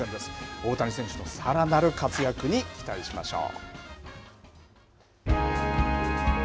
大谷選手のさらなる活躍に期待しましょう。